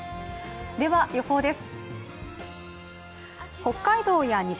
では予報です。